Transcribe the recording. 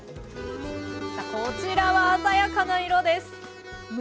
さあこちらは鮮やかな色です。